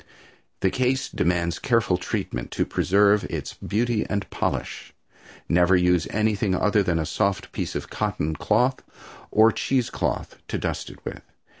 The case demands careful treatment to preserve its beauty and polish, Never use anything other than a soft piece of cotton cloth or cheese cloth to dust it with.